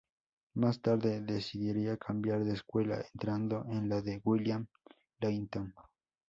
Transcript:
Más tarde, decidiría cambiar de escuela, entrando en la de William Layton.